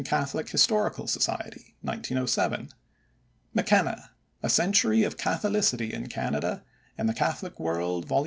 Catholic Historical Society (1907); McKenna: A Century of Catholicity in Canada, in the Catholic World, vol.